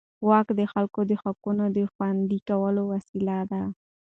واک د خلکو د حقونو د خوندي کولو وسیله ده.